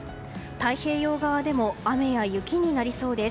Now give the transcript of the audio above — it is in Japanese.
太平洋側でも雨や雪になりそうです。